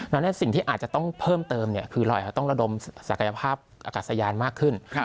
แล้วสิ่งที่อาจจะต้องเพิ่มเติมคือเราอาจจะต้องระดมศักยภาพอากาศยานมากขึ้น